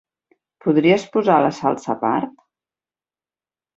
Podries posar la salsa apart?